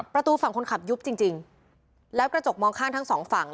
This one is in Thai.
ประตูฝั่งคนขับยุบจริงจริงแล้วกระจกมองข้างทั้งสองฝั่ง